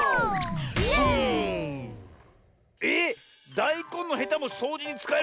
「イェーイ！」えっだいこんのヘタもそうじにつかえるんですか？